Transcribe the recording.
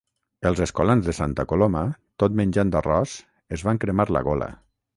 Els escolans de Santa Coloma tot menjant arròs es van cremar la gola.